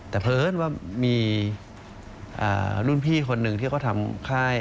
แต่เพลินว่ามีรุ่นพี่คนหนึ่งที่เขาทำค่าย